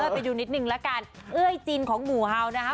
ไปดูนิดหนึ่งแล้วกันเอ้ยจิ้นของหมูเฮานะฮะ